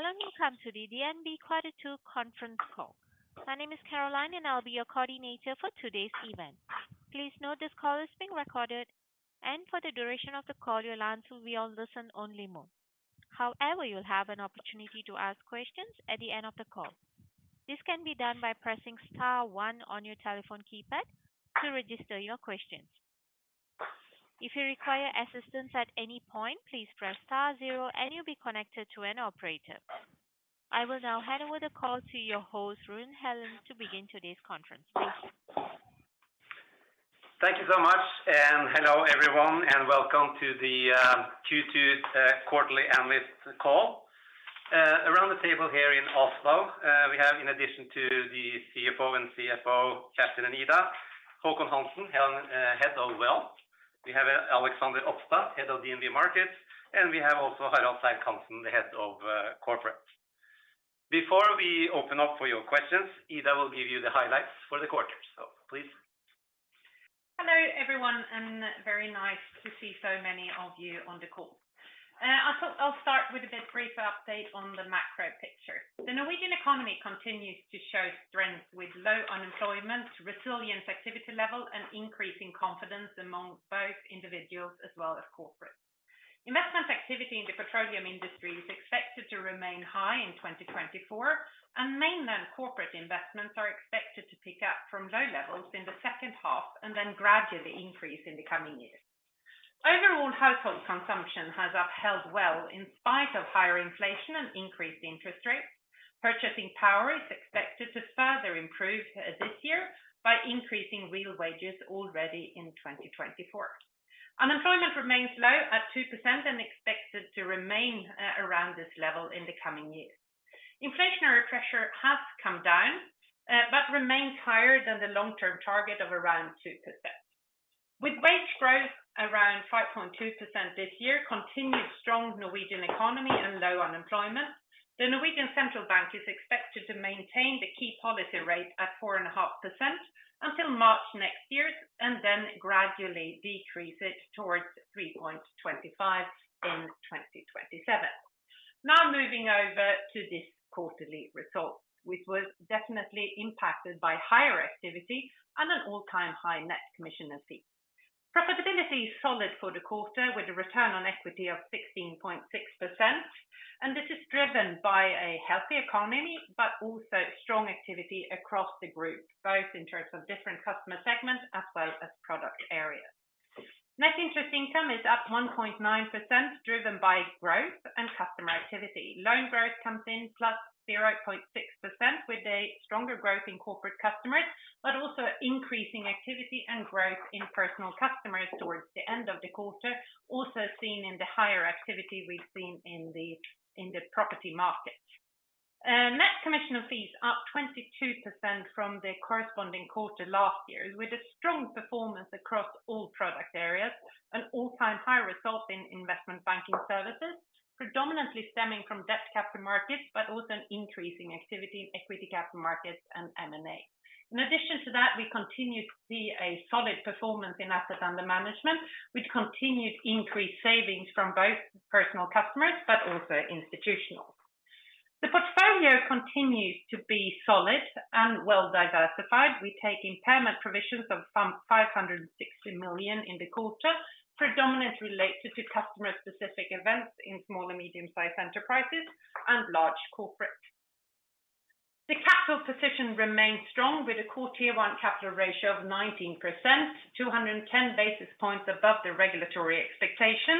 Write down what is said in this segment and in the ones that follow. Hello, and welcome to the DNB Quarterly Conference Call. My name is Caroline, and I'll be your coordinator for today's event. Please note this call is being recorded, and for the duration of the call, your answers will be on listen-only mode. However, you'll have an opportunity to ask questions at the end of the call. This can be done by pressing star one on your telephone keypad to register your questions. If you require assistance at any point, please press star zero, and you'll be connected to an operator. I will now hand over the call to your host, Rune Helland, to begin today's conference. Thank you. Thank you so much, and hello everyone, and welcome to the Q2 quarterly analyst call. Around the table here in Oslo, we have, in addition to the CEO and CFO, Kjerstin and Ida, Håkon Hansen, Head of Wealth. We have Alexander Opstad, Head of DNB Markets, and we have also Harald Serck-Hanssen, the Head of Corporate. Before we open up for your questions, Ida will give you the highlights for the quarter, so please. Hello everyone, and very nice to see so many of you on the call. I'll start with a brief update on the macro picture. The Norwegian economy continues to show strength with low unemployment, resilient activity level, and increasing confidence among both individuals as well as corporates. Investment activity in the petroleum industry is expected to remain high in 2024, and mainland corporate investments are expected to pick up from low levels in the second half and then gradually increase in the coming years. Overall, household consumption has held up well in spite of higher inflation and increased interest rates. Purchasing power is expected to further improve this year by increasing real wages already in 2024. Unemployment remains low at 2% and expected to remain around this level in the coming years. Inflationary pressure has come down but remains higher than the long-term target of around 2%. With wage growth around 5.2% this year, continued strong Norwegian economy, and low unemployment, the Norwegian Central Bank is expected to maintain the key policy rate at 4.5% until March next year and then gradually decrease it towards 3.25% in 2027. Now moving over to this quarterly result, which was definitely impacted by higher activity and an all-time high net commission fee. Profitability is solid for the quarter with a return on equity of 16.6%, and this is driven by a healthy economy but also strong activity across the group, both in terms of different customer segments as well as product areas. Net interest income is up 1.9%, driven by growth and customer activity. Loan growth comes in +0.6% with a stronger growth in corporate customers, but also increasing activity and growth in personal customers towards the end of the quarter, also seen in the higher activity we've seen in the property markets. Net commission fees are up 22% from the corresponding quarter last year, with a strong performance across all product areas, an all-time high result in investment banking services, predominantly stemming from debt capital markets, but also increasing activity in equity capital markets and M&A. In addition to that, we continue to see a solid performance in asset under management, with continued increased savings from both personal customers but also institutional. The portfolio continues to be solid and well diversified. We take impairment provisions of 560 million in the quarter, predominantly related to customer-specific events in small and medium-sized enterprises and large corporates. The capital position remains strong with a core Tier 1 capital ratio of 19%, 210 basis points above the regulatory expectation,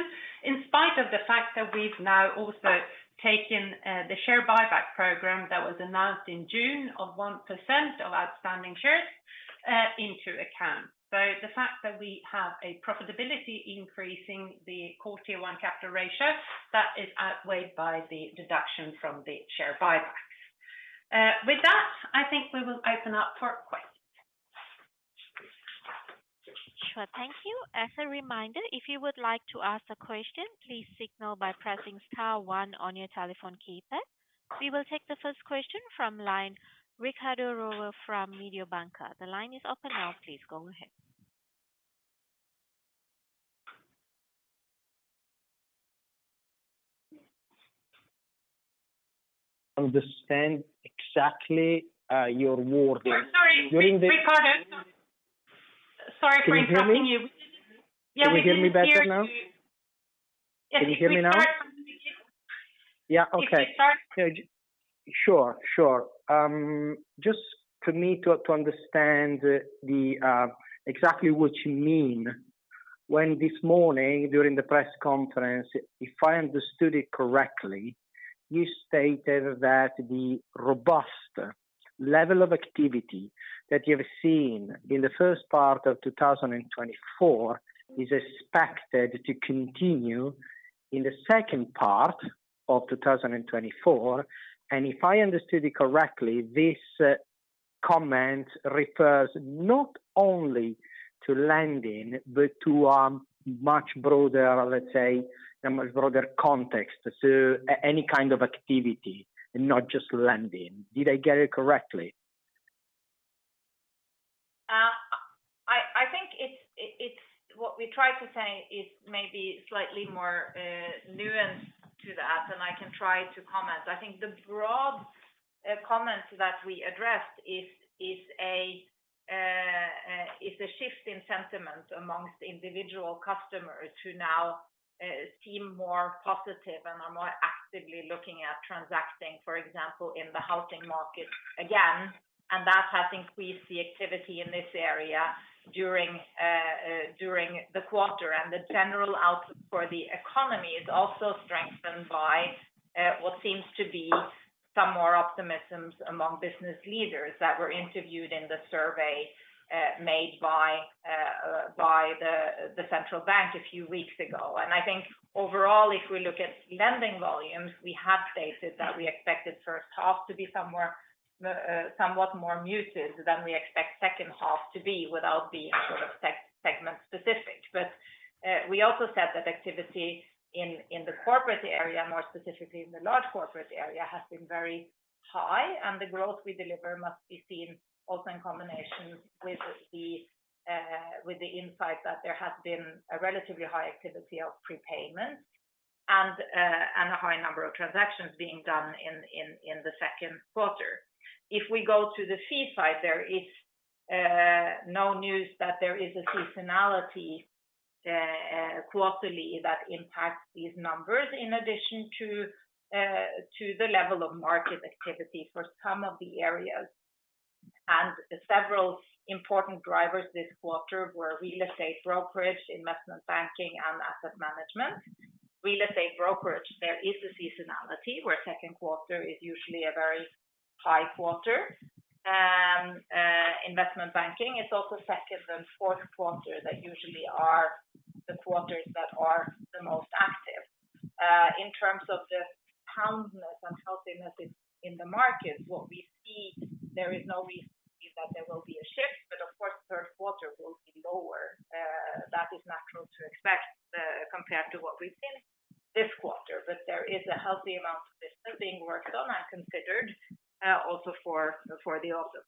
in spite of the fact that we've now also taken the share buyback program that was announced in June of 1% of outstanding shares into account. So the fact that we have a profitability increase in the Q1 capital ratio, that is outweighed by the deduction from the share buybacks. With that, I think we will open up for questions. Sure, thank you. As a reminder, if you would like to ask a question, please signal by pressing star one on your telephone keypad. We will take the first question from line Riccardo Rovere from Mediobanca. The line is open now, please go ahead. Understand exactly your words. Sorry, sorry for interrupting you. Can you hear me better now? Can you hear me now? Yeah, okay. Sure, sure. Just for me to understand exactly what you mean, when this morning during the press conference, if I understood it correctly, you stated that the robust level of activity that you have seen in the first part of 2024 is expected to continue in the second part of 2024. And if I understood it correctly, this comment refers not only to lending, but to a much broader, let's say, a much broader context to any kind of activity, not just lending. Did I get it correctly? I think what we tried to say is maybe slightly more nuanced to that, and I can try to comment. I think the broad comment that we addressed is a shift in sentiment amongst individual customers who now seem more positive and are more actively looking at transacting, for example, in the housing market again, and that has increased the activity in this area during the quarter. And the general outlook for the economy is also strengthened by what seems to be some more optimism among business leaders that were interviewed in the survey made by the central bank a few weeks ago. And I think overall, if we look at lending volumes, we have stated that we expected first half to be somewhat more muted than we expect second half to be without being sort of segment-specific. But we also said that activity in the corporate area, more specifically in the large corporate area, has been very high, and the growth we deliver must be seen also in combination with the insight that there has been a relatively high activity of prepayments and a high number of transactions being done in the second quarter. If we go to the fee side, there is no news that there is a seasonality quarterly that impacts these numbers in addition to the level of market activity for some of the areas. Several important drivers this quarter were real estate brokerage, investment banking, and asset management. Real estate brokerage, there is a seasonality where second quarter is usually a very high quarter. Investment banking, it's also second and fourth quarter that usually are the quarters that are the most active. In terms of the soundness and healthiness in the markets, what we see, there is no reason to believe that there will be a shift, but of course, third quarter will be lower. That is natural to expect compared to what we've seen this quarter, but there is a healthy amount of business being worked on and considered also for the latter.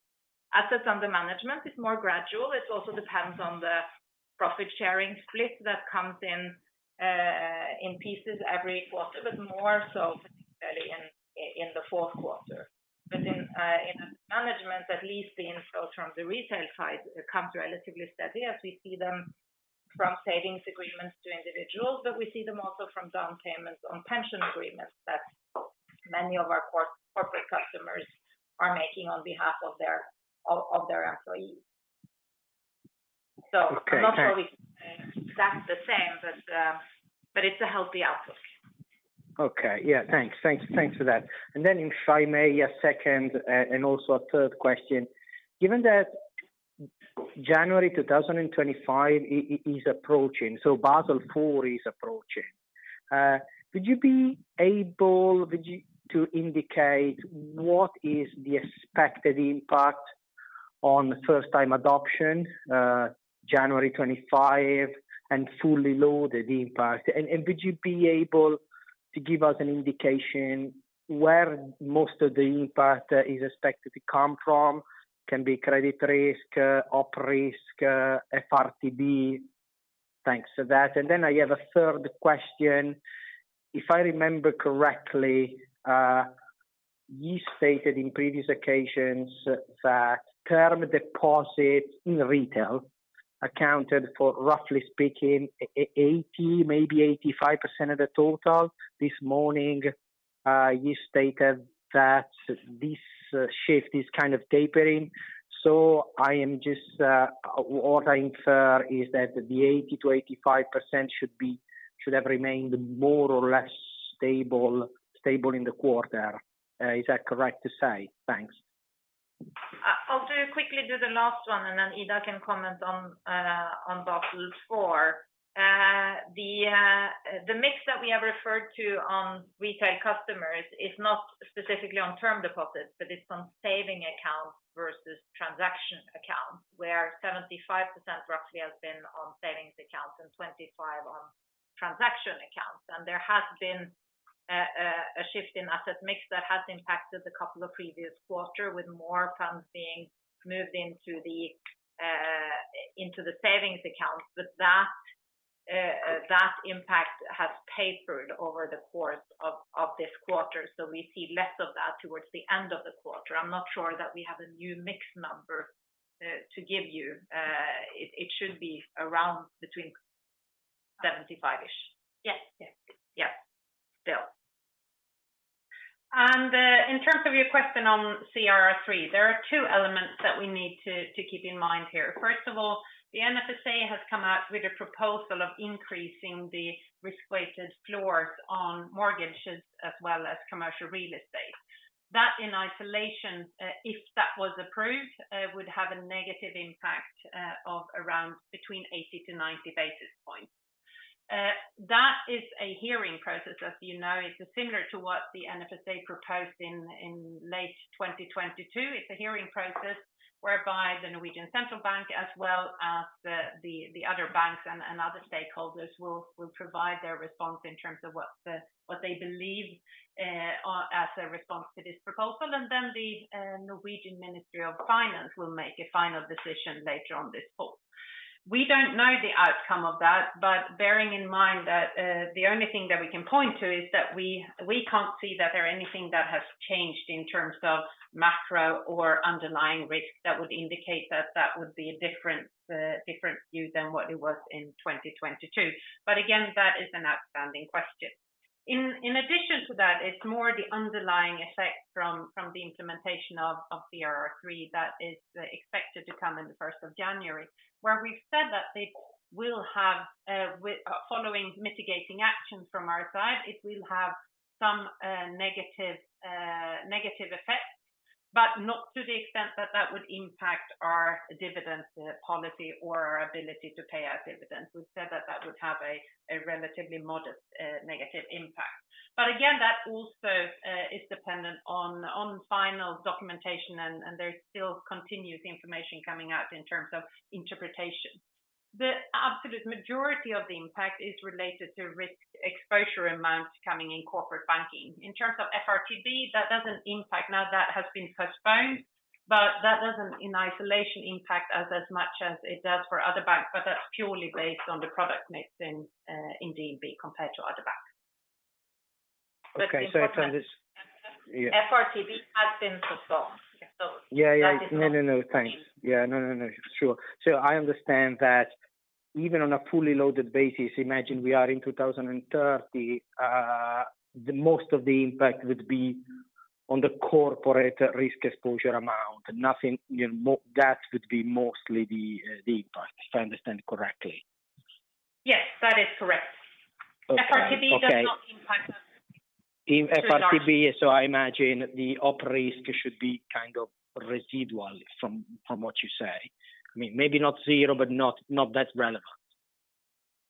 Assets under management is more gradual. It also depends on the profit sharing split that comes in pieces every quarter, but more so in the fourth quarter. But in asset management, at least the inflows from the retail side come relatively steady as we see them from savings agreements to individuals, but we see them also from down payments on pension agreements that many of our corporate customers are making on behalf of their employees. I'm not sure we can say exactly the same, but it's a healthy outlook. Okay, yeah, thanks. Thanks for that. And then if I may, a second and also a third question. Given that January 2025 is approaching, so Basel IV is approaching, would you be able to indicate what is the expected impact on first-time adoption, January 2025, and fully loaded impact? And would you be able to give us an indication where most of the impact is expected to come from? Can be credit risk, op risk, FRTB? Thanks for that. And then I have a third question. If I remember correctly, you stated in previous occasions that term deposits in retail accounted for roughly speaking 80%, maybe 85% of the total. This morning, you stated that this shift is kind of tapering. So I am just wondering if the 80%-85% should have remained more or less stable in the quarter. Is that correct to say? Thanks. I'll quickly do the last one, and then Ida can comment on Basel IV. The mix that we have referred to on retail customers is not specifically on term deposits, but it's on saving accounts versus transaction accounts, where 75% roughly has been on savings accounts and 25% on transaction accounts. There has been a shift in asset mix that has impacted a couple of previous quarters, with more funds being moved into the savings accounts. But that impact has tapered over the course of this quarter, so we see less of that towards the end of the quarter. I'm not sure that we have a new mix number to give you. It should be around between 75-ish. Yes, yes, yes, still. In terms of your question on CRR3, there are two elements that we need to keep in mind here. First of all, the NFSA has come out with a proposal of increasing the risk-weighted floors on mortgages as well as commercial real estate. That in isolation, if that was approved, would have a negative impact of around between 80-90 basis points. That is a hearing process, as you know. It's similar to what the NFSA proposed in late 2022. It's a hearing process whereby the Norwegian Central Bank, as well as the other banks and other stakeholders, will provide their response in terms of what they believe as a response to this proposal. And then the Norwegian Ministry of Finance will make a final decision later on this fall. We don't know the outcome of that, but bearing in mind that the only thing that we can point to is that we can't see that there is anything that has changed in terms of macro or underlying risk that would indicate that that would be a different view than what it was in 2022. But again, that is an outstanding question. In addition to that, it's more the underlying effect from the implementation of CRR3 that is expected to come in the first of January, where we've said that it will have, following mitigating actions from our side, it will have some negative effects, but not to the extent that that would impact our dividend policy or our ability to pay our dividends. We've said that that would have a relatively modest negative impact. But again, that also is dependent on final documentation, and there's still continuous information coming out in terms of interpretation. The absolute majority of the impact is related to risk exposure amounts coming in corporate banking. In terms of FRTB, that doesn't impact. Now, that has been postponed, but that doesn't in isolation impact us as much as it does for other banks, but that's purely based on the product mix in DNB compared to other banks. Okay, so I've understood. FRTB has been postponed. Yeah, yeah, no, no, no, thanks. Yeah, no, no, no, sure. So I understand that even on a fully loaded basis, imagine we are in 2030, most of the impact would be on the corporate risk exposure amount. That would be mostly the impact, if I understand it correctly. Yes, that is correct. FRTB does not impact us. FRTB, so I imagine the op risk should be kind of residual from what you say. I mean, maybe not zero, but not that relevant.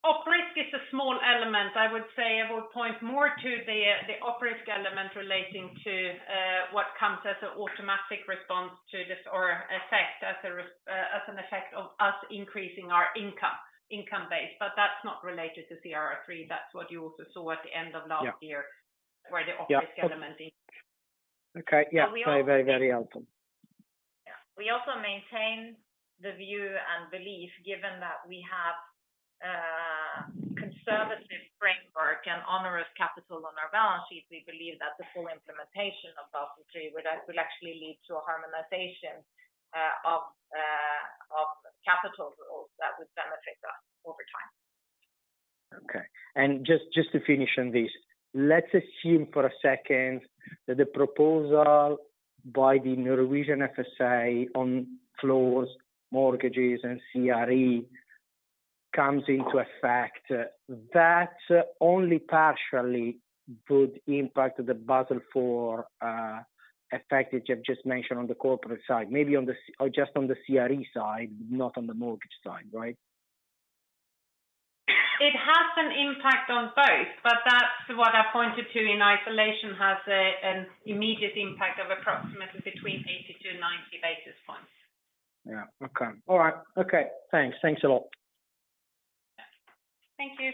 Op risk is a small element. I would say I would point more to the op risk element relating to what comes as an automatic response to this or effect as an effect of us increasing our income base. But that's not related to CRR3. That's what you also saw at the end of last year where the op risk element. Okay, yeah, very, very, very helpful. We also maintain the view and belief, given that we have a conservative framework and onerous capital on our balance sheet, we believe that the full implementation of Basel III will actually lead to a harmonization of capital rules that would benefit us over time. Okay. Just to finish on this, let's assume for a second that the proposal by the Norwegian FSA on floors, mortgages, and CRE comes into effect, that only partially would impact the Basel IV effect that you've just mentioned on the corporate side, maybe just on the CRE side, not on the mortgage side, right? It has an impact on both, but that's what I pointed to in isolation has an immediate impact of approximately between 80-90 basis points. Yeah, okay. All right. Okay, thanks. Thanks a lot. Thank you.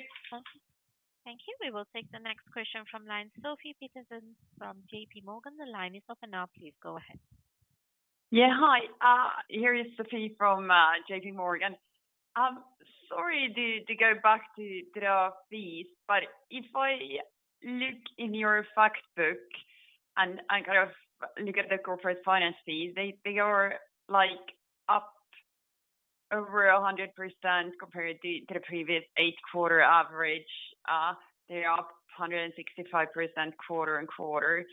Thank you. We will take the next question from line Sofie Peterzens from J.P. Morgan. The line is open now. Please go ahead. Yeah, hi. Here is Sofie from J.P. Morgan. Sorry to go back to the fees, but if I look in your factbook and kind of look at the corporate finance fees, they are up over 100% compared to the previous 8-quarter average. They are up 165% quarter-over-quarter.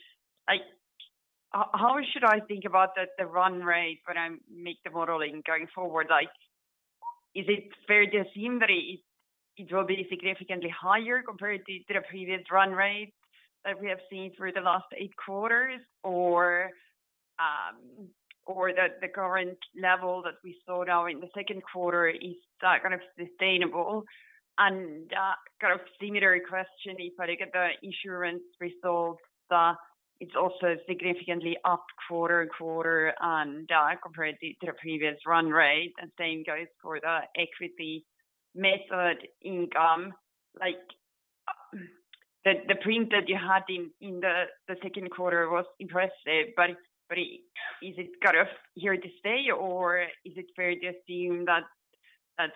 How should I think about the run rate when I make the modeling going forward? Is it fair to assume that it will be significantly higher compared to the previous run rate that we have seen through the last 8 quarters, or that the current level that we saw now in the second quarter is kind of sustainable? Kind of similar question, if I look at the insurance results, it's also significantly up quarter-over-quarter compared to the previous run rate. And same goes for the equity method income. The print that you had in the second quarter was impressive, but is it kind of here to stay, or is it fair to assume that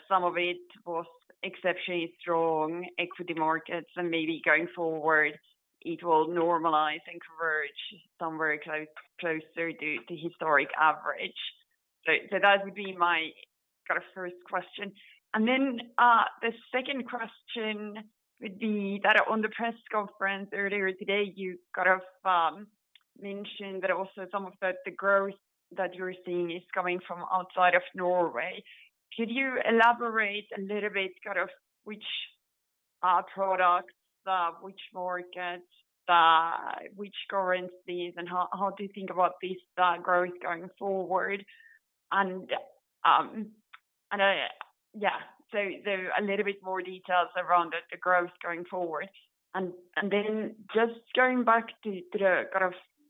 some of it was exceptionally strong equity markets, and maybe going forward, it will normalize and converge somewhere closer to historic average? So that would be my kind of first question. And then the second question would be that on the press conference earlier today, you kind of mentioned that also some of the growth that you're seeing is coming from outside of Norway. Could you elaborate a little bit kind of which products, which markets, which currencies, and how do you think about this growth going forward? And yeah, so a little bit more details around the growth going forward. And then just going back to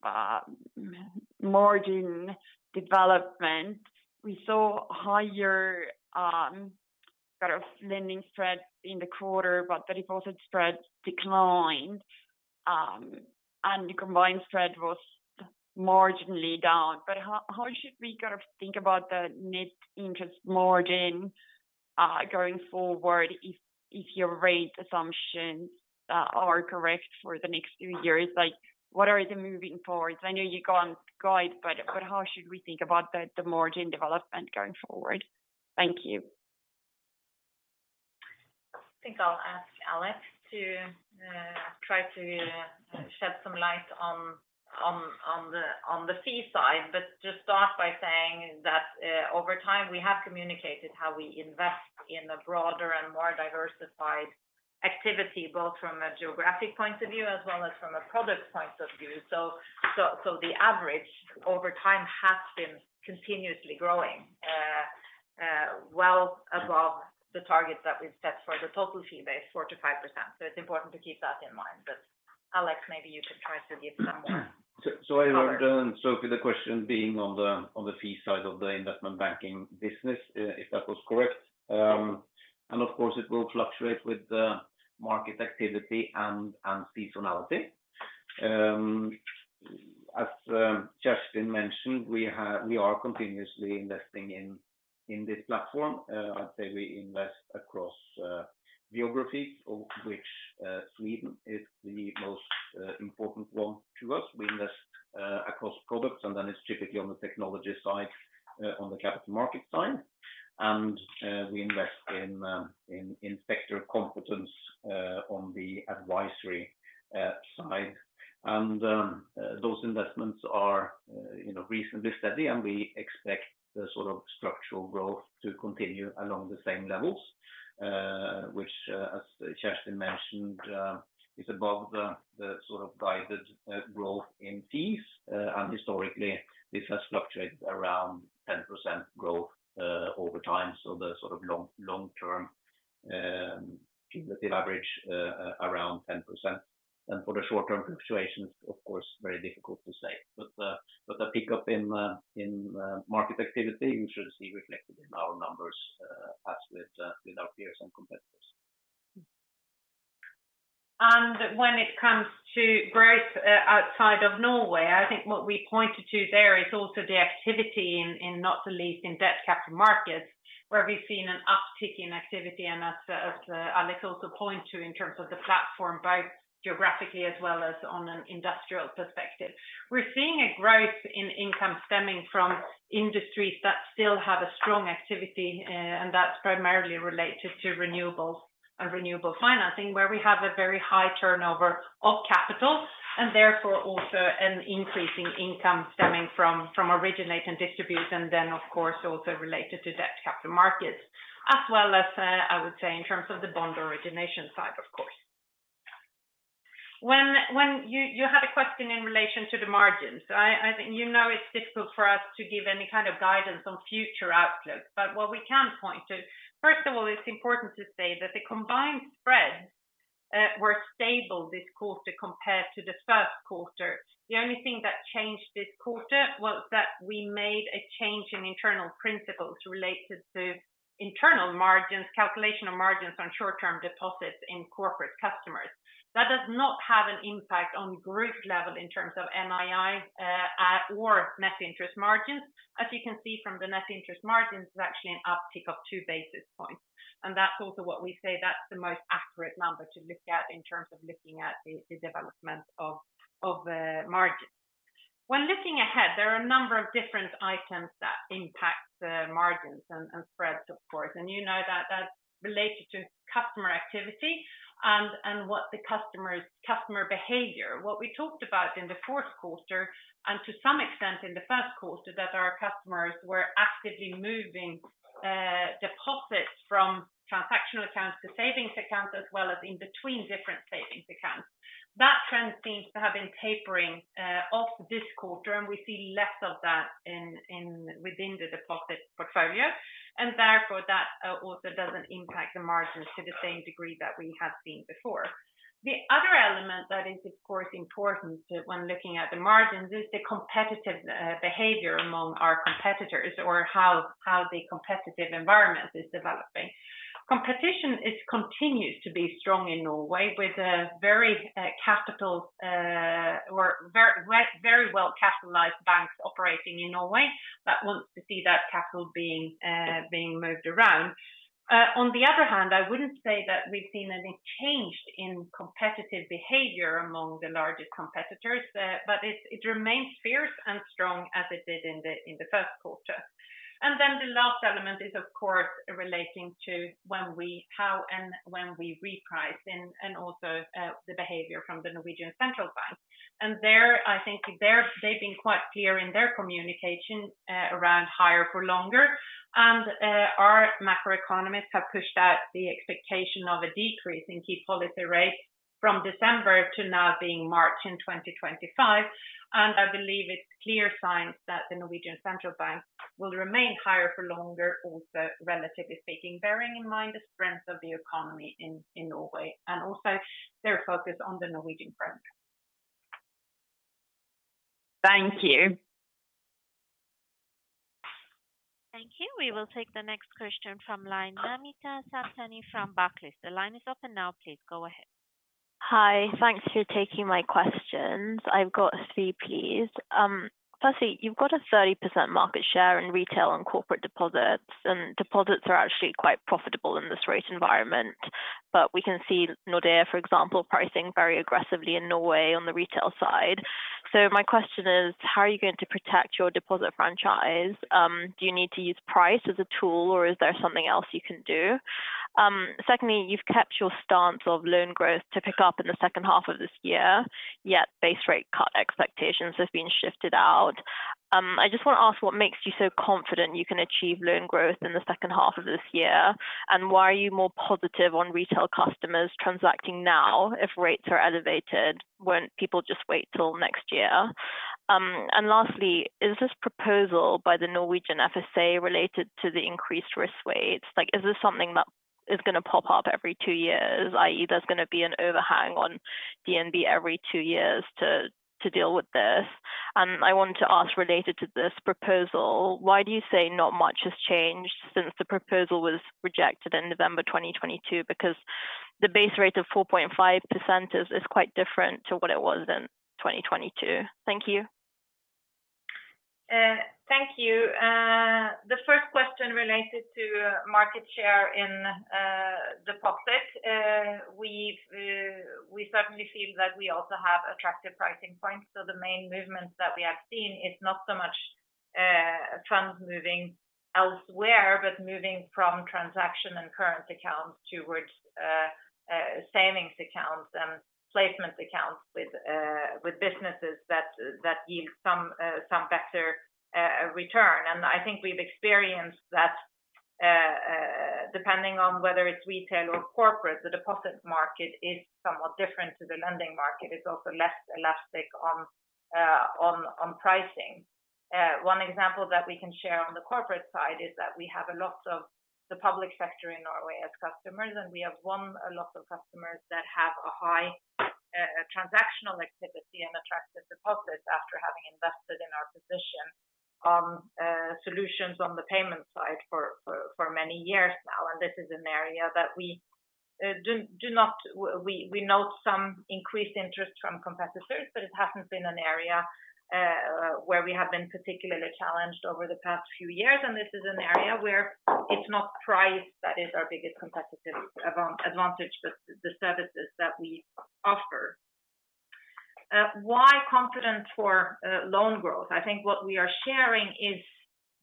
the kind of margin development, we saw higher kind of lending spreads in the quarter, but the deposit spread declined, and the combined spread was marginally down. But how should we kind of think about the net interest margin going forward if your rate assumptions are correct for the next few years? What are the moving forwards? I know you can't guide, but how should we think about the margin development going forward? Thank you. I think I'll ask Alex to try to shed some light on the fee side, but just start by saying that over time, we have communicated how we invest in a broader and more diversified activity, both from a geographic point of view as well as from a product point of view. So the average over time has been continuously growing, well above the target that we've set for the total fee base, 45%. So it's important to keep that in mind. But Alex, maybe you can try to give some more. So I have done, Sofie, the question being on the fee side of the investment banking business, if that was correct. And of course, it will fluctuate with the market activity and seasonality. As Kjerstin mentioned, we are continuously investing in this platform. I'd say we invest across geographies, of which Sweden is the most important one to us. We invest across products, and then it's typically on the technology side, on the capital market side. And we invest in sector competence on the advisory side. And those investments are recently steady, and we expect the sort of structural growth to continue along the same levels, which, as Kjerstin mentioned, is above the sort of guided growth in fees. And historically, this has fluctuated around 10% growth over time. So the sort of long-term average, around 10%. And for the short-term fluctuations, of course, very difficult to say. The pickup in market activity, you should see reflected in our numbers as with our peers and competitors. And when it comes to growth outside of Norway, I think what we pointed to there is also the activity, not least in debt capital markets, where we've seen an uptick in activity. And as Alex also pointed to in terms of the platform, both geographically as well as on an industrial perspective, we're seeing a growth in income stemming from industries that still have a strong activity. And that's primarily related to renewables and renewable financing, where we have a very high turnover of capital, and therefore also an increasing income stemming from originating distribution. And then, of course, also related to debt capital markets, as well as, I would say, in terms of the bond origination side, of course. When you had a question in relation to the margins, I think you know it's difficult for us to give any kind of guidance on future outlooks, but what we can point to, first of all, it's important to say that the combined spreads were stable this quarter compared to the first quarter. The only thing that changed this quarter was that we made a change in internal principles related to internal margins, calculation of margins on short-term deposits in corporate customers. That does not have an impact on group level in terms of NII or net interest margins. As you can see from the net interest margins, it's actually an uptick of 2 basis points. That's also what we say, that's the most accurate number to look at in terms of looking at the development of margins. When looking ahead, there are a number of different items that impact margins and spreads, of course. You know that that's related to customer activity and what the customer behavior, what we talked about in the fourth quarter, and to some extent in the first quarter, that our customers were actively moving deposits from transactional accounts to savings accounts, as well as in between different savings accounts. That trend seems to have been tapering off this quarter, and we see less of that within the deposit portfolio. Therefore, that also doesn't impact the margins to the same degree that we have seen before. The other element that is, of course, important when looking at the margins is the competitive behavior among our competitors or how the competitive environment is developing. Competition continues to be strong in Norway with very well-capitalized banks operating in Norway that want to see that capital being moved around. On the other hand, I wouldn't say that we've seen any change in competitive behavior among the largest competitors, but it remains fierce and strong as it did in the first quarter. And then the last element is, of course, relating to how and when we reprice and also the behavior from the Norwegian central bank. And there, I think they've been quite clear in their communication around higher for longer. And our macroeconomists have pushed out the expectation of a decrease in key policy rates from December to now being March in 2025. I believe it's clear signs that the Norwegian central bank will remain higher for longer, also relatively speaking, bearing in mind the strength of the economy in Norway and also their focus on the Norwegian framework. Thank you. Thank you. We will take the next question from line Namita Samtani from Barclays. The line is open now. Please go ahead. Hi, thanks for taking my questions. I've got three, please. Firstly, you've got a 30% market share in retail and corporate deposits, and deposits are actually quite profitable in this rate environment. But we can see Nordea, for example, pricing very aggressively in Norway on the retail side. So my question is, how are you going to protect your deposit franchise? Do you need to use price as a tool, or is there something else you can do? Secondly, you've kept your stance of loan growth to pick up in the second half of this year, yet base rate cut expectations have been shifted out. I just want to ask what makes you so confident you can achieve loan growth in the second half of this year, and why are you more positive on retail customers transacting now if rates are elevated? Won't people just wait till next year? Lastly, is this proposal by the Norwegian FSA related to the increased risk weights? Is this something that is going to pop up every two years, i.e., there's going to be an overhang on DNB every two years to deal with this? I want to ask related to this proposal, why do you say not much has changed since the proposal was rejected in November 2022? Because the base rate of 4.5% is quite different to what it was in 2022. Thank you. Thank you. The first question related to market share in deposits, we certainly feel that we also have attractive pricing points. So the main movement that we have seen is not so much funds moving elsewhere, but moving from transaction and current accounts towards savings accounts and placement accounts with businesses that yield some better return. And I think we've experienced that depending on whether it's retail or corporate, the deposit market is somewhat different to the lending market. It's also less elastic on pricing. One example that we can share on the corporate side is that we have a lot of the public sector in Norway as customers, and we have won a lot of customers that have a high transactional activity and attractive deposits after having invested in our position on solutions on the payment side for many years now. This is an area that we note some increased interest from competitors, but it hasn't been an area where we have been particularly challenged over the past few years. This is an area where it's not price that is our biggest competitive advantage, but the services that we offer. Why confident for loan growth? I think what we are sharing is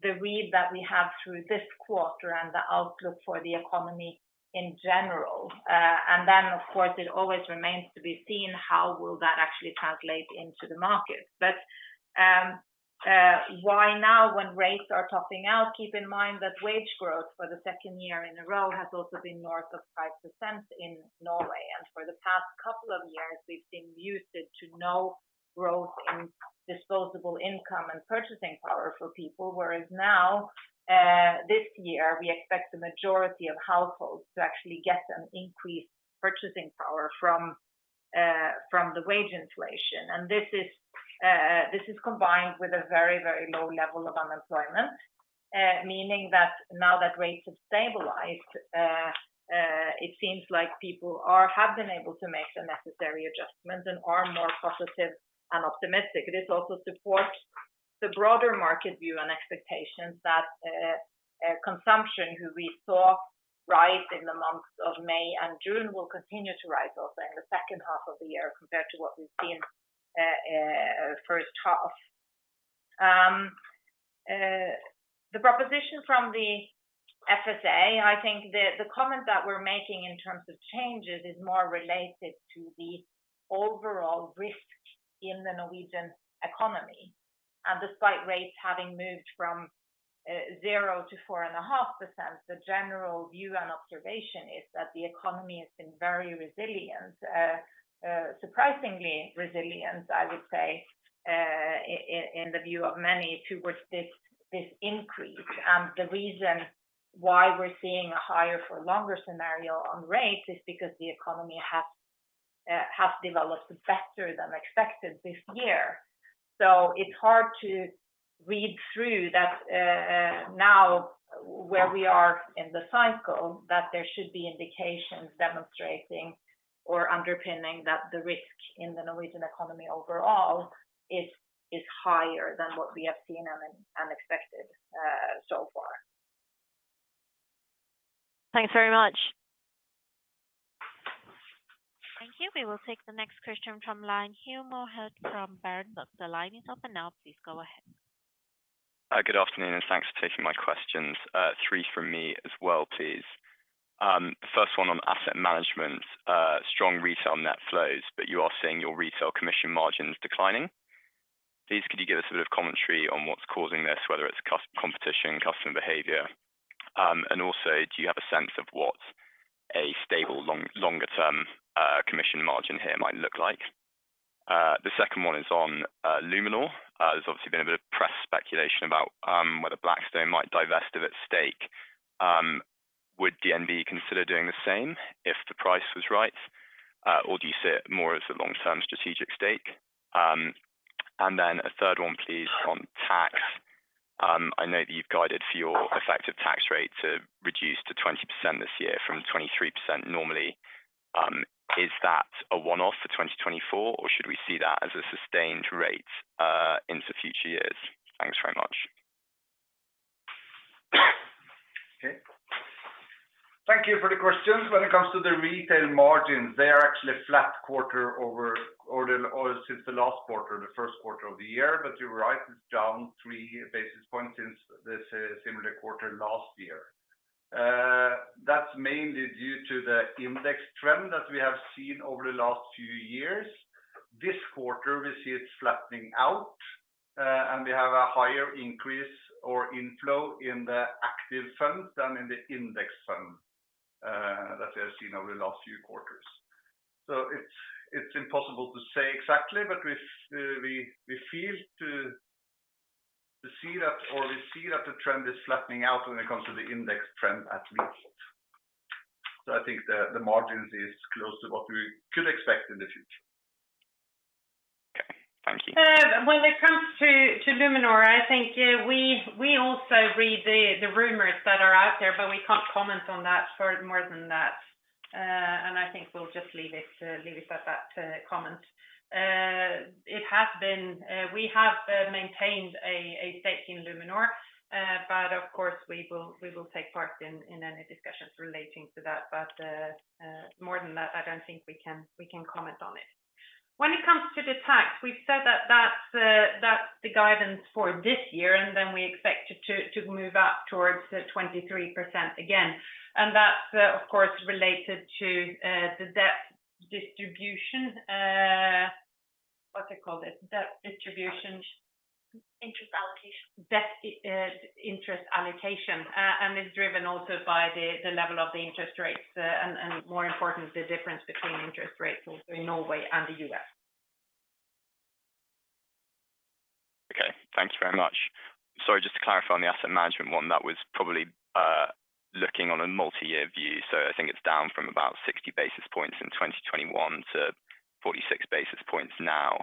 the read that we have through this quarter and the outlook for the economy in general. And then, of course, it always remains to be seen how will that actually translate into the markets. But why now when rates are topping out? Keep in mind that wage growth for the second year in a row has also been north of 5% in Norway. For the past couple of years, we've been accustomed to no growth in disposable income and purchasing power for people, whereas now, this year, we expect the majority of households to actually get an increased purchasing power from the wage inflation. This is combined with a very, very low level of unemployment, meaning that now that rates have stabilized, it seems like people have been able to make the necessary adjustments and are more positive and optimistic. This also supports the broader market view and expectations that consumption, which we saw rise in the months of May and June, will continue to rise also in the second half of the year compared to what we've seen first half. The proposal from the NFSA, I think the comment that we're making in terms of changes is more related to the overall risk in the Norwegian economy. Despite rates having moved from 0 to 4.5%, the general view and observation is that the economy has been very resilient, surprisingly resilient, I would say, in the view of many towards this increase. The reason why we're seeing a higher for longer scenario on rates is because the economy has developed better than expected this year. It's hard to read through that now where we are in the cycle that there should be indications demonstrating or underpinning that the risk in the Norwegian economy overall is higher than what we have seen and expected so far. Thanks very much. Thank you. We will take the next question from line Hugh Moorhead from Berenberg. The line is open now. Please go ahead. Good afternoon, and thanks for taking my questions. Three from me as well, please. First one on asset management, strong retail net flows, but you are seeing your retail commission margins declining. Please, could you give us a bit of commentary on what's causing this, whether it's competition, customer behavior? And also, do you have a sense of what a stable longer-term commission margin here might look like? The second one is on Luminor. There's obviously been a bit of press speculation about whether Blackstone might divest of its stake. Would DNB consider doing the same if the price was right? Or do you see it more as a long-term strategic stake? And then a third one, please, on tax. I know that you've guided for your effective tax rate to reduce to 20% this year from 23% normally. Is that a one-off for 2024, or should we see that as a sustained rate into future years? Thanks very much. Thank you for the questions. When it comes to the retail margins, they are actually flat quarter over since the last quarter, the first quarter of the year. But you're right, it's down 3 basis points since the similar quarter last year. That's mainly due to the index trend that we have seen over the last few years. This quarter, we see it flattening out, and we have a higher increase or inflow in the active funds than in the index funds that we have seen over the last few quarters. So it's impossible to say exactly, but we feel to see that or we see that the trend is flattening out when it comes to the index trend at least. So I think the margins are close to what we could expect in the future. Okay. Thank you. When it comes to Luminor, I think we also read the rumors that are out there, but we can't comment on that more than that. And I think we'll just leave it at that comment. It has been, we have maintained a stake in Luminor, but of course, we will take part in any discussions relating to that. But more than that, I don't think we can comment on it. When it comes to the tax, we've said that that's the guidance for this year, and then we expect to move up towards 23% again. And that's, of course, related to the debt distribution. What do you call this? Debt distribution. Interest allocation. Debt interest allocation. It's driven also by the level of the interest rates and, more importantly, the difference between interest rates in Norway and the U.S. Okay. Thanks very much. Sorry, just to clarify on the asset management one, that was probably looking on a multi-year view. So I think it's down from about 60 basis points in 2021 to 46 basis points now.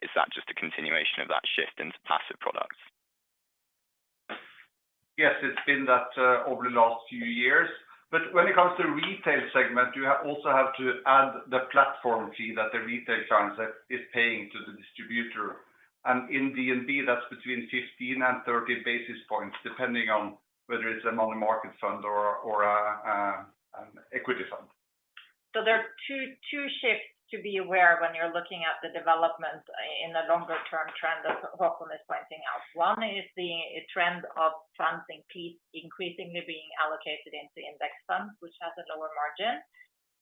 Is that just a continuation of that shift into passive products? Yes, it's been that over the last few years. But when it comes to the retail segment, you also have to add the platform fee that the retail channel is paying to the distributor. And in DNB, that's between 15 and 30 basis points, depending on whether it's a money market fund or an equity fund. So there are two shifts to be aware of when you're looking at the development in the longer-term trend that Håkon is pointing out. One is the trend of funding fees increasingly being allocated into index funds, which has a lower margin.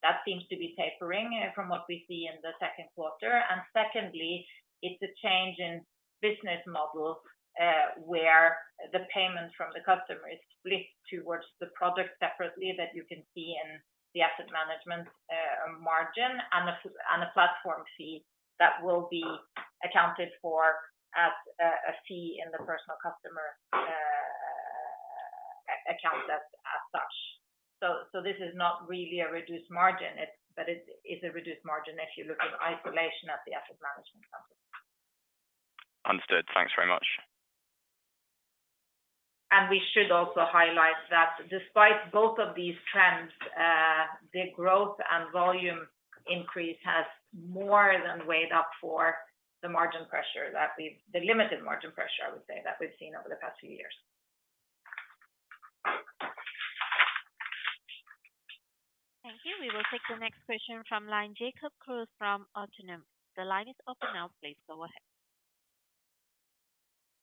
That seems to be tapering from what we see in the second quarter. And secondly, it's a change in business models where the payment from the customer is split towards the product separately that you can see in the asset management margin and a platform fee that will be accounted for as a fee in the personal customer account as such. So this is not really a reduced margin, but it is a reduced margin if you look at isolation at the asset management company. Understood. Thanks very much. We should also highlight that despite both of these trends, the growth and volume increase has more than weighed up for the margin pressure, the limited margin pressure, I would say, that we've seen over the past few years. Thank you. We will take the next question from line Jacob Kruse from Autonomous Research. The line is open now. Please go ahead.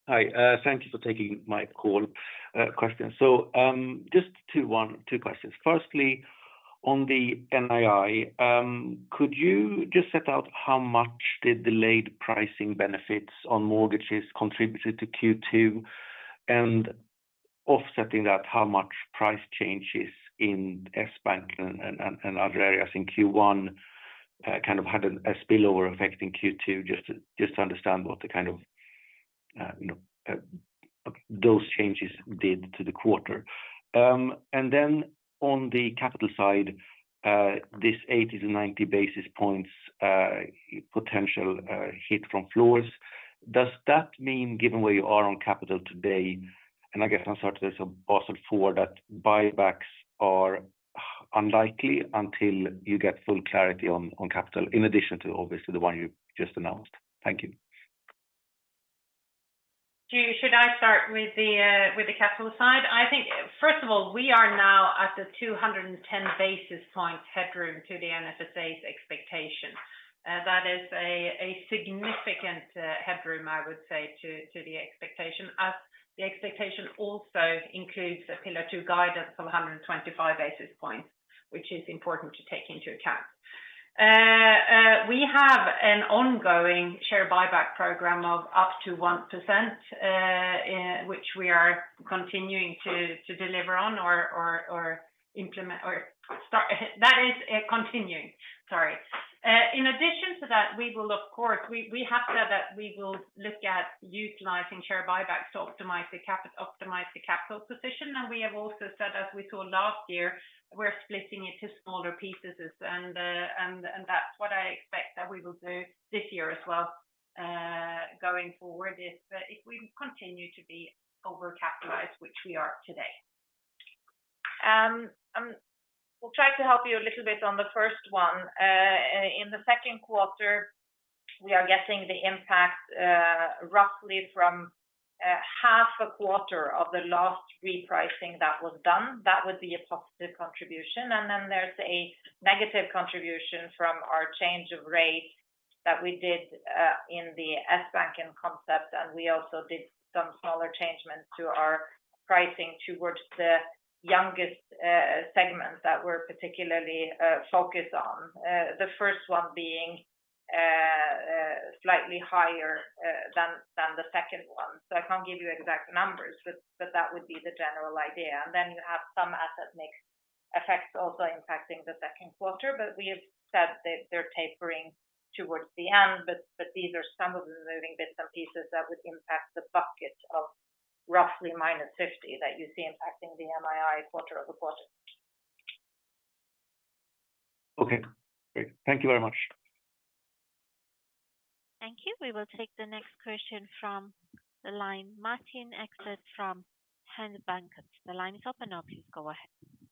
Hi. Thank you for taking my call question. So just two questions. Firstly, on the NII, could you just set out how much did delayed pricing benefits on mortgages contribute to Q2? And offsetting that, how much price changes in Sbanken and other areas in Q1 kind of had a spillover effect in Q2, just to understand what the kind of those changes did to the quarter. And then on the capital side, this 80-90 basis points potential hit from floors. Does that mean, given where you are on capital today, and I guess I'm sorry to bustle forward, that buybacks are unlikely until you get full clarity on capital, in addition to obviously the one you just announced? Thank you. Should I start with the capital side? I think, first of all, we are now at the 210 basis points headroom to the NFSA's expectation. That is a significant headroom, I would say, to the expectation, as the expectation also includes a pillar two guidance of 125 basis points, which is important to take into account. We have an ongoing share buyback program of up to 1%, which we are continuing to deliver on or that is continuing. Sorry. In addition to that, we will, of course, we have said that we will look at utilizing share buybacks to optimize the capital position. And we have also said, as we saw last year, we're splitting it to smaller pieces. And that's what I expect that we will do this year as well going forward if we continue to be overcapitalized, which we are today. We'll try to help you a little bit on the first one. In the second quarter, we are getting the impact roughly from half a quarter of the last repricing that was done. That would be a positive contribution. And then there's a negative contribution from our change of rate that we did in the Sbanken concept. And we also did some smaller changes to our pricing toward the youngest segments that we're particularly focused on, the first one being slightly higher than the second one. So I can't give you exact numbers, but that would be the general idea. And then you have some asset mix effects also impacting the second quarter. But we have said that they're tapering toward the end. But these are some of the moving bits and pieces that would impact the bucket of roughly -50 that you see impacting the NII quarter-over-quarter. Okay. Great. Thank you very much. Thank you. We will take the next question from the line Martin Ekstedt from Handelsbanken. The line is open now. Please go ahead.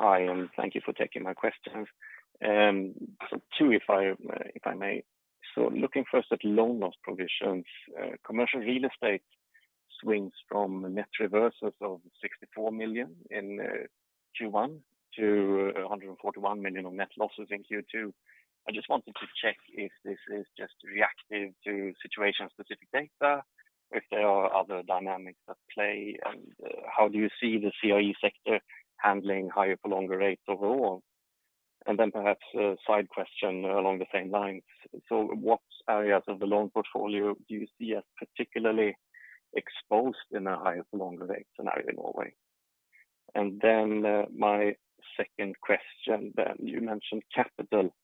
Hi. Thank you for taking my questions. Two, if I may. So looking first at loan loss provisions, commercial real estate swings from net reversals of 64 million in Q1 to 141 million of net losses in Q2. I just wanted to check if this is just reactive to situation-specific data, if there are other dynamics at play, and how do you see the CRE sector handling higher-for-longer rates overall? And then perhaps a side question along the same lines. So what areas of the loan portfolio do you see as particularly exposed in a higher-for-longer rate scenario in Norway? And then my second question, then you mentioned capital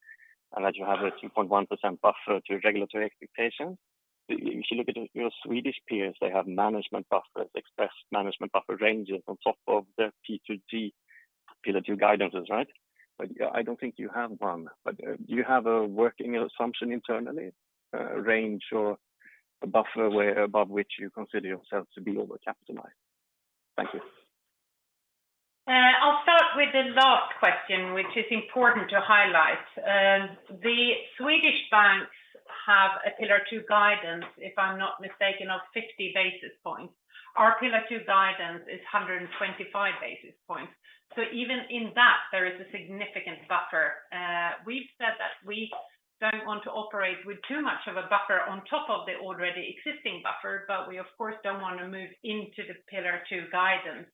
and that you have a 2.1% buffer to regulatory expectations. If you look at your Swedish peers, they have management buffers, express management buffer ranges on top of the P2G pillar two guidances, right? I don't think you have one. Do you have a working assumption internally, a range or a buffer above which you consider yourselves to be overcapitalized? Thank you. I'll start with the last question, which is important to highlight. The Swedish banks have a Pillar 2 Guidance, if I'm not mistaken, of 50 basis points. Our Pillar 2 Guidance is 125 basis points. So even in that, there is a significant buffer. We've said that we don't want to operate with too much of a buffer on top of the already existing buffer, but we, of course, don't want to move into the Pillar 2 Guidance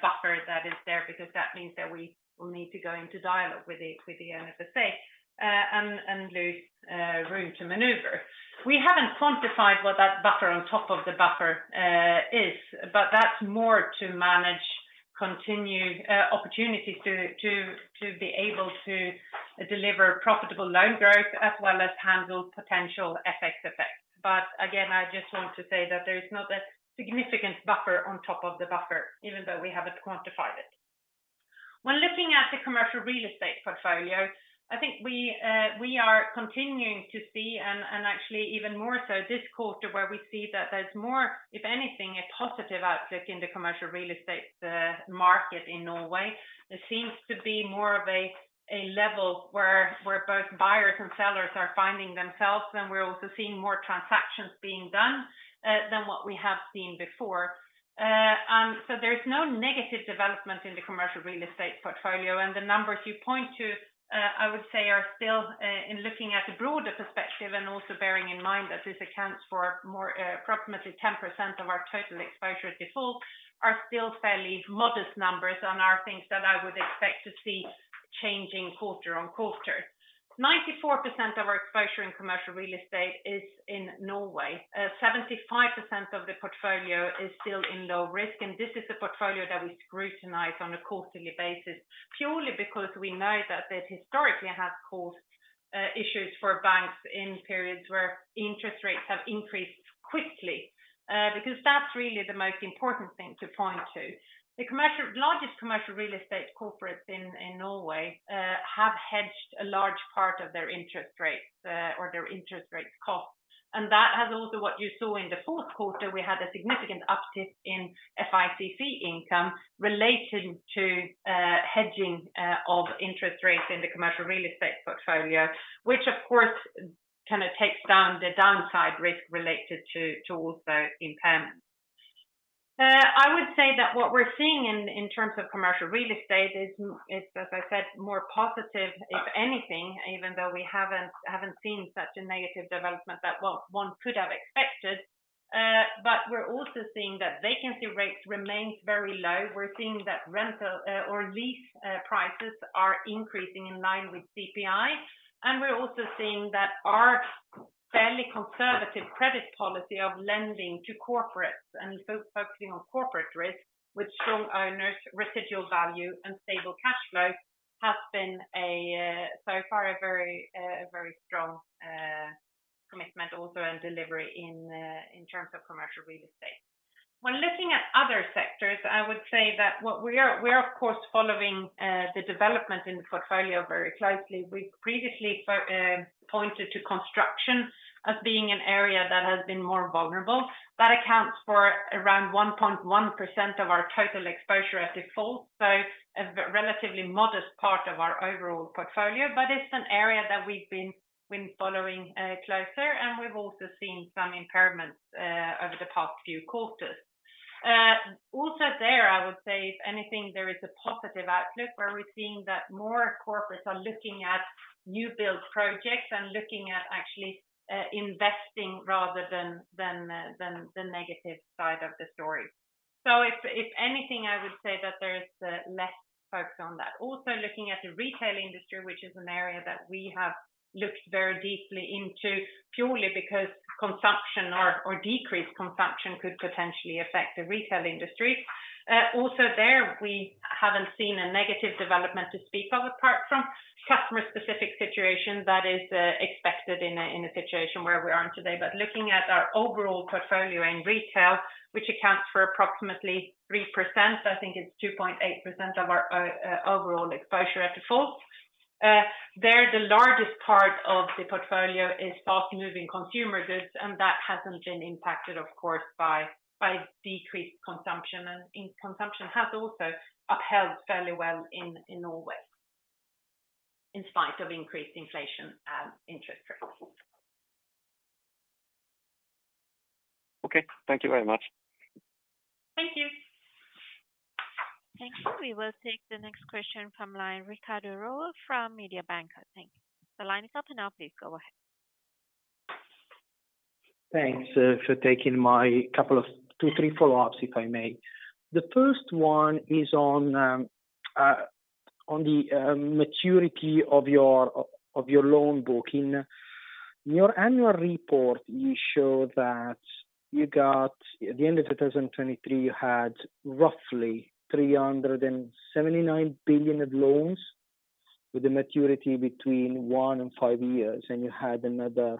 buffer that is there because that means that we will need to go into dialogue with the NFSA and lose room to maneuver. We haven't quantified what that buffer on top of the buffer is, but that's more to manage continued opportunities to be able to deliver profitable loan growth as well as handle potential FX effects. But again, I just want to say that there is not a significant buffer on top of the buffer, even though we haven't quantified it. When looking at the commercial real estate portfolio, I think we are continuing to see, and actually even more so this quarter, where we see that there's more, if anything, a positive outlook in the commercial real estate market in Norway. It seems to be more of a level where both buyers and sellers are finding themselves, and we're also seeing more transactions being done than what we have seen before. And so there's no negative development in the commercial real estate portfolio. The numbers you point to, I would say, are still, in looking at a broader perspective and also bearing in mind that this accounts for approximately 10% of our total exposure to default, are still fairly modest numbers and are things that I would expect to see changing quarter-on-quarter. 94% of our exposure in commercial real estate is in Norway. 75% of the portfolio is still in low risk. This is a portfolio that we scrutinize on a quarterly basis, purely because we know that it historically has caused issues for banks in periods where interest rates have increased quickly, because that's really the most important thing to point to. The largest commercial real estate corporates in Norway have hedged a large part of their interest rates or their interest rate costs. That has also what you saw in the fourth quarter. We had a significant uptick in FICC income related to hedging of interest rates in the commercial real estate portfolio, which, of course, kind of takes down the downside risk related to also impairments. I would say that what we're seeing in terms of commercial real estate is, as I said, more positive, if anything, even though we haven't seen such a negative development that one could have expected. But we're also seeing that vacancy rates remain very low. We're seeing that rental or lease prices are increasing in line with CPI. And we're also seeing that our fairly conservative credit policy of lending to corporates and focusing on corporate risk with strong owners, residual value, and stable cash flow has been, so far, a very strong commitment also and delivery in terms of commercial real estate. When looking at other sectors, I would say that we are, of course, following the development in the portfolio very closely. We've previously pointed to construction as being an area that has been more vulnerable. That accounts for around 1.1% of our total exposure at default, so a relatively modest part of our overall portfolio, but it's an area that we've been following closer. And we've also seen some impairments over the past few quarters. Also there, I would say, if anything, there is a positive outlook where we're seeing that more corporates are looking at new build projects and looking at actually investing rather than the negative side of the story. So if anything, I would say that there is less focus on that. Also looking at the retail industry, which is an area that we have looked very deeply into, purely because consumption or decreased consumption could potentially affect the retail industry. Also there, we haven't seen a negative development to speak of apart from customer-specific situations that is expected in a situation where we aren't today. But looking at our overall portfolio in retail, which accounts for approximately 3%, I think it's 2.8% of our overall exposure at default. There, the largest part of the portfolio is fast-moving consumer goods, and that hasn't been impacted, of course, by decreased consumption. And consumption has also upheld fairly well in Norway, in spite of increased inflation and interest rates. Okay. Thank you very much. Thank you. Thank you. We will take the next question from line Riccardo Rovere from Mediobanca. Thank you. The line is open now. Please go ahead. Thanks for taking my couple of 2, 3 follow-ups, if I may. The first one is on the maturity of your loan booking. In your annual report, you show that you got, at the end of 2023, you had roughly 379 billion of loans with a maturity between 1 and 5 years, and you had another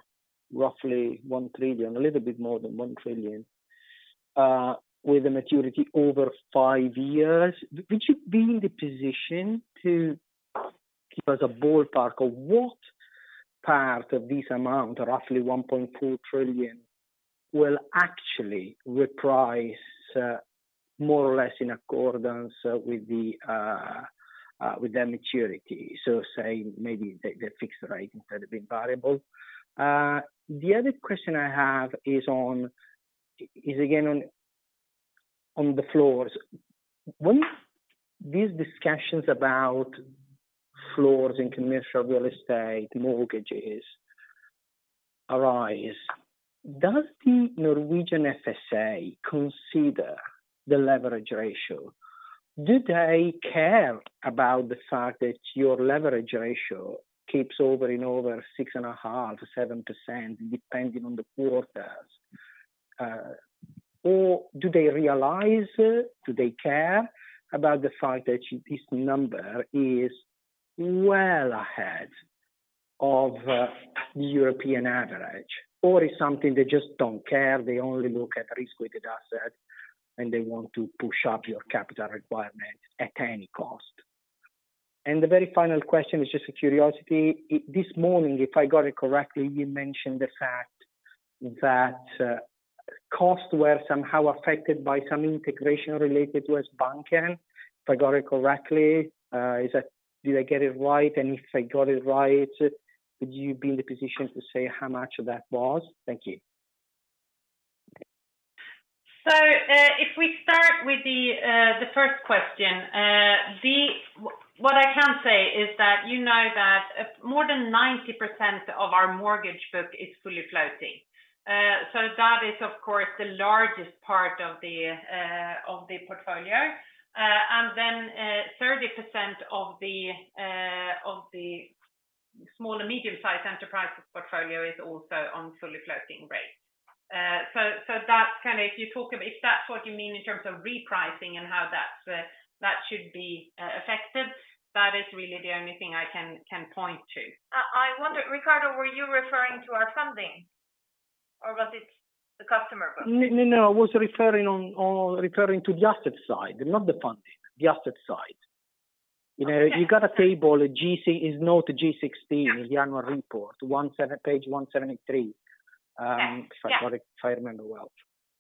roughly 1 trillion, a little bit more than 1 trillion, with a maturity over 5 years. Would you be in the position to give us a ballpark of what part of this amount, roughly 1.4 trillion, will actually reprice more or less in accordance with their maturity? So say maybe the fixed rate instead of being variable. The other question I have is, again, on the floors. When these discussions about floors in commercial real estate, mortgages arise, does the Norwegian FSA consider the leverage ratio? Do they care about the fact that your leverage ratio keeps over and over 6.5%, 7%, depending on the quarters? Or do they realize, do they care about the fact that this number is well ahead of the European average? Or is it something they just don't care? They only look at risk-weighted assets, and they want to push up your capital requirement at any cost? And the very final question is just a curiosity. This morning, if I got it correctly, you mentioned the fact that costs were somehow affected by some integration related to Sbanken, if I got it right. Did I get it right? And if I got it right, would you be in the position to say how much that was? Thank you. So if we start with the first question, what I can say is that you know that more than 90% of our mortgage book is fully floating. So that is, of course, the largest part of the portfolio. And then 30% of the small and medium-sized enterprises' portfolio is also on fully floating rates. So that's kind of, if you talk about, if that's what you mean in terms of repricing and how that should be affected, that is really the only thing I can point to. I wonder, Ricardo, were you referring to our funding, or was it the customer book? No, no, no. I was referring to the asset side, not the funding, the asset side. You got a table, G16, the annual report, page 173, if I remember well.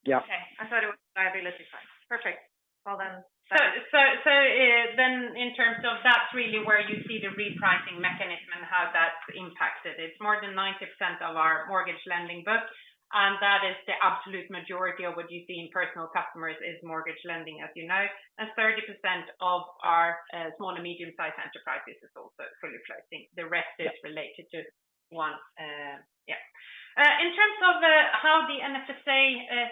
Yeah. Okay. I thought it was liability side. Perfect. Well then. So then in terms of that's really where you see the repricing mechanism and how that's impacted. It's more than 90% of our mortgage lending book, and that is the absolute majority of what you see in personal customers is mortgage lending, as you know. And 30% of our small and medium-sized enterprises is also fully floating. The rest is related to one, yeah. In terms of how the NFSA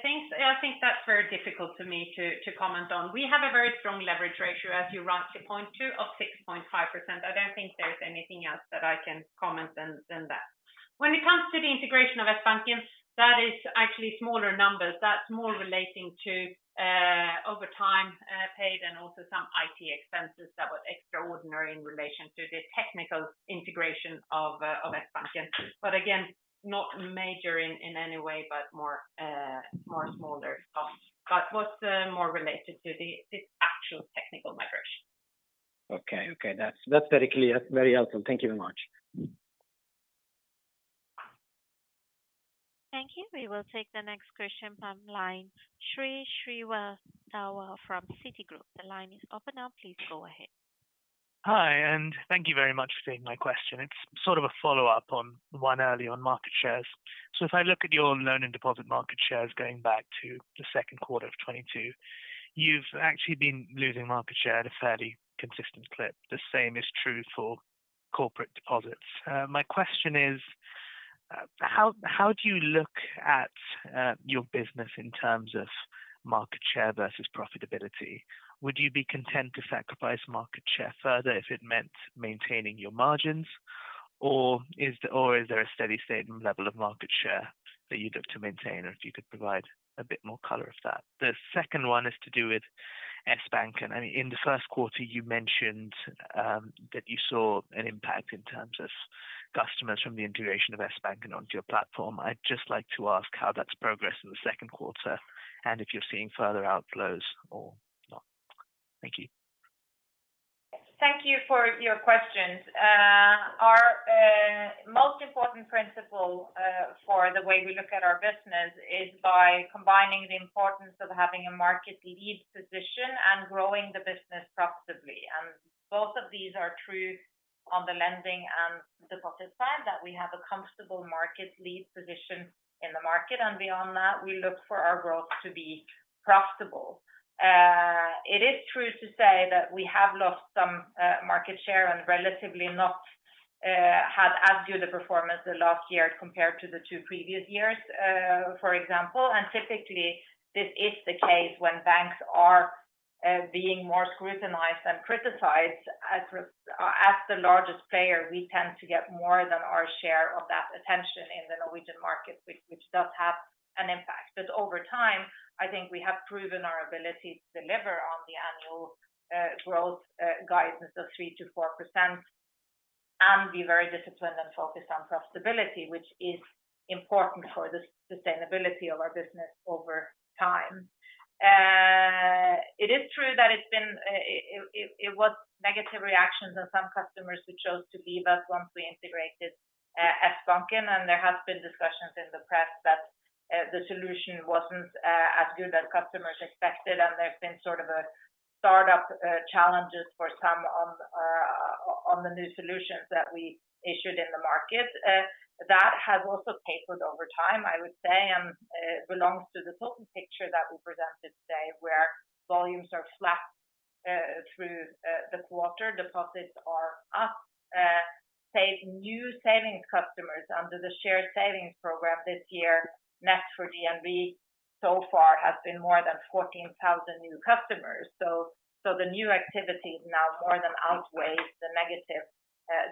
thinks, I think that's very difficult for me to comment on. We have a very strong leverage ratio, as you rightly point to, of 6.5%. I don't think there's anything else that I can comment on than that. When it comes to the integration of Sbanken, that is actually smaller numbers. That's more relating to overtime paid and also some IT expenses that were extraordinary in relation to the technical integration of Sbanken. But again, not major in any way, but more smaller costs. But what's more related to the actual technical migration. Okay, okay. That's very clear. Very helpful. Thank you very much. Thank you. We will take the next question from line 3, Shrey Srivastava from Citi. The line is open now. Please go ahead. Hi, and thank you very much for taking my question. It's sort of a follow-up on one earlier on market shares. So if I look at your loan and deposit market shares going back to the second quarter of 2022, you've actually been losing market share at a fairly consistent clip. The same is true for corporate deposits. My question is, how do you look at your business in terms of market share versus profitability? Would you be content to sacrifice market share further if it meant maintaining your margins? Or is there a steady state level of market share that you'd look to maintain, or if you could provide a bit more color of that? The second one is to do with Sbanken. I mean, in the first quarter, you mentioned that you saw an impact in terms of customers from the integration of Sbanken onto your platform. I'd just like to ask how that's progressed in the second quarter and if you're seeing further outflows or not. Thank you. Thank you for your questions. Our most important principle for the way we look at our business is by combining the importance of having a market lead position and growing the business profitably. Both of these are true on the lending and deposit side that we have a comfortable market lead position in the market. Beyond that, we look for our growth to be profitable. It is true to say that we have lost some market share and relatively not had as good a performance the last year compared to the two previous years, for example. Typically, this is the case when banks are being more scrutinized and criticized. As the largest player, we tend to get more than our share of that attention in the Norwegian market, which does have an impact. But over time, I think we have proven our ability to deliver on the annual growth guidance of 3%-4% and be very disciplined and focused on profitability, which is important for the sustainability of our business over time. It is true that it was negative reactions on some customers who chose to leave us once we integrated Sbanken. There have been discussions in the press that the solution wasn't as good as customers expected. There's been sort of startup challenges for some on the new solutions that we issued in the market. That has also tapered over time, I would say, and belongs to the total picture that we presented today, where volumes are flat through the quarter, deposits are up. New savings customers under the shared savings program this year, net for DNB, so far has been more than 14,000 new customers. So the new activity now more than outweighs the negative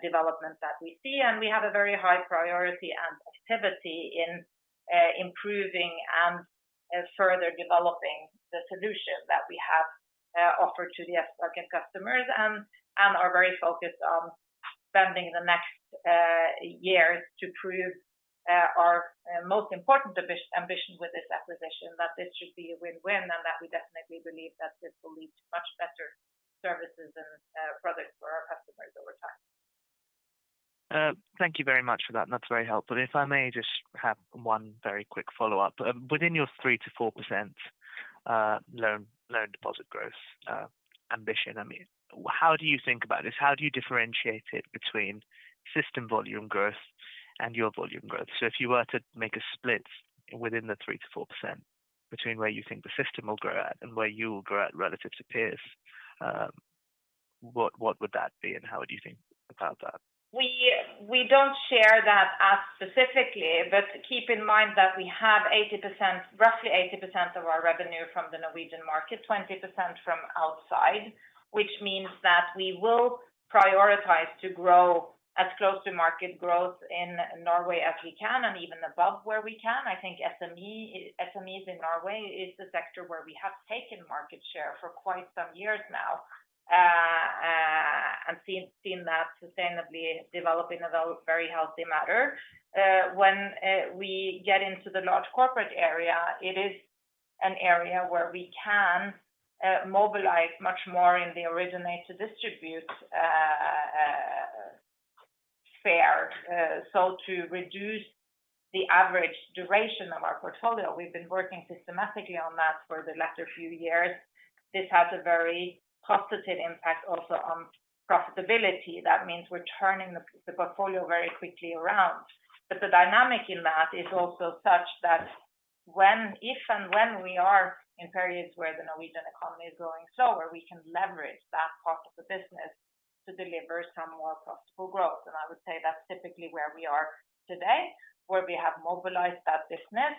development that we see. And we have a very high priority and activity in improving and further developing the solution that we have offered to the Sbanken customers and are very focused on spending the next years to prove our most important ambition with this acquisition, that this should be a win-win and that we definitely believe that this will lead to much better services and products for our customers over time. Thank you very much for that. That's very helpful. If I may just have one very quick follow-up. Within your 3%-4% loan deposit growth ambition, I mean, how do you think about this? How do you differentiate it between system volume growth and your volume growth? So if you were to make a split within the 3%-4% between where you think the system will grow at and where you will grow at relative to peers, what would that be and how would you think about that? We don't share that as specifically, but keep in mind that we have roughly 80% of our revenue from the Norwegian market, 20% from outside, which means that we will prioritize to grow as close to market growth in Norway as we can and even above where we can. I think SMEs in Norway is the sector where we have taken market share for quite some years now and seen that sustainably develop in a very healthy manner. When we get into the large corporate area, it is an area where we can mobilize much more in the originate to distribute fare. So to reduce the average duration of our portfolio, we've been working systematically on that for the last few years. This has a very positive impact also on profitability. That means we're turning the portfolio very quickly around. But the dynamic in that is also such that if and when we are in periods where the Norwegian economy is going slower, we can leverage that part of the business to deliver some more profitable growth. I would say that's typically where we are today, where we have mobilized that business.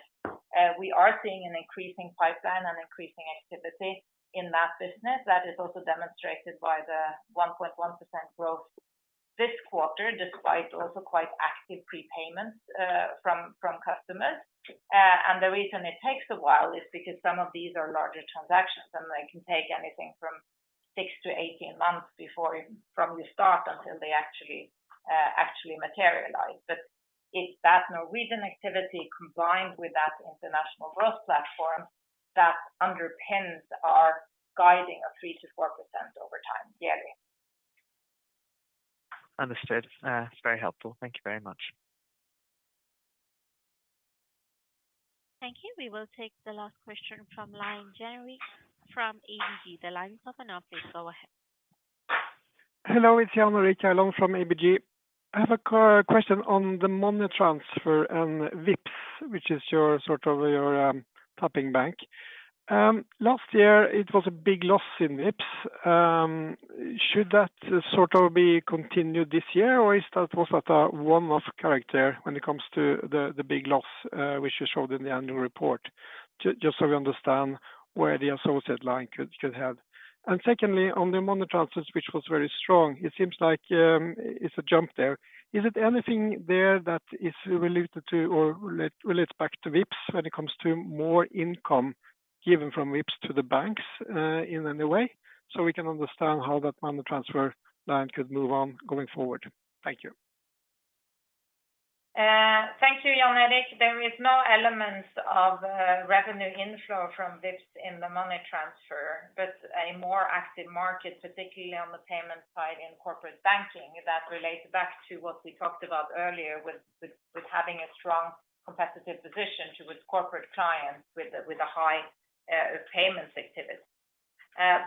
We are seeing an increasing pipeline and increasing activity in that business. That is also demonstrated by the 1.1% growth this quarter, despite also quite active prepayments from customers. The reason it takes a while is because some of these are larger transactions, and they can take anything from 6-18 months from your start until they actually materialize. But it's that Norwegian activity combined with that international growth platform that underpins our guiding of 3%-4% over time yearly. Understood. It's very helpful. Thank you very much. Thank you. We will take the last question from line Jan Erik Gjerland from ABG. The line is open now. Please go ahead. Hello. It's Jan Erik Gjerland from ABG. I have a question on the money transfer and Vipps, which is sort of your Sbanken. Last year, it was a big loss in Vipps. Should that sort of be continued this year, or is that one-off character when it comes to the big loss which you showed in the annual report? Just so we understand where the associate line could head. And secondly, on the money transfers, which was very strong, it seems like it's a jump there. Is it anything there that is related to or relates back to Vipps when it comes to more income given from Vipps to the banks in any way? So we can understand how that money transfer line could move on going forward. Thank you. Thank you, Jan Erik Gjerland. There is no element of revenue inflow from Vipps in the money transfer, but a more active market, particularly on the payment side in corporate banking that relates back to what we talked about earlier with having a strong competitive position to its corporate clients with a high payments activity.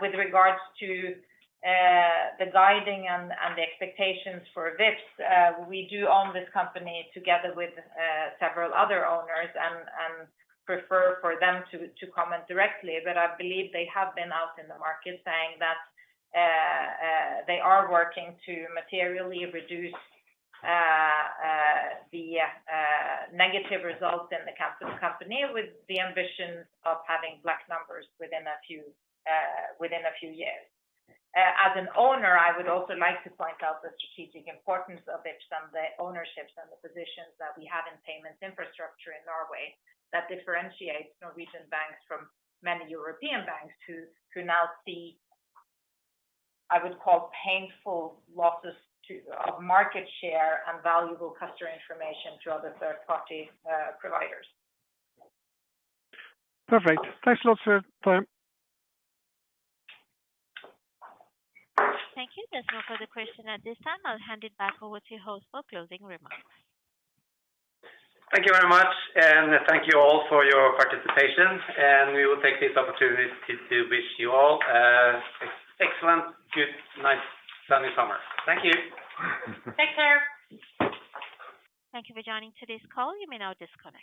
With regards to the guidance and the expectations for Vipps, we do own this company together with several other owners and prefer for them to comment directly. But I believe they have been out in the market saying that they are working to materially reduce the negative results in the capital company with the ambition of having black numbers within a few years. As an owner, I would also like to point out the strategic importance of Vipps and the ownerships and the positions that we have in payments infrastructure in Norway that differentiates Norwegian banks from many European banks who now see, I would call, painful losses of market share and valuable customer information to other third-party providers. Perfect. Thanks a lot for your time. Thank you. There's no further question at this time. I'll hand it back over to host for closing remarks. Thank you very much. Thank you all for your participation. We will take this opportunity to wish you all excellent, good, nice, sunny summer. Thank you. Take care. Thank you for joining today's call. You may now disconnect.